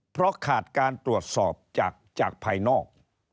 เพราะขาดการตรวจสอบจากภายนอก